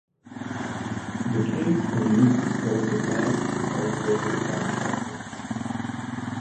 The caves were used to store supplies and also as bomb shelters.